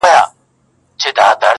سلده ګان که هوښیاران دي فکر وړي؛